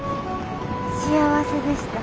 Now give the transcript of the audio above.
幸せでした。